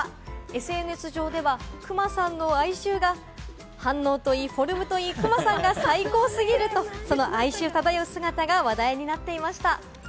ＳＮＳ上ではクマさんの哀愁が反応といい、フォルムといい、くまさんが最高すぎると、その哀愁漂う姿が話題になっていました。